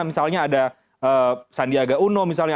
misalnya ada sandiaga uno misalnya